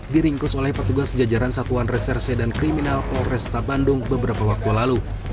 diringkus oleh petugas jajaran satuan reserse dan kriminal polresta bandung beberapa waktu lalu